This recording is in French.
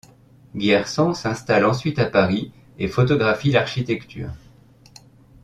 Guy Hersant s’installe ensuite à Paris et photographie l’architecture.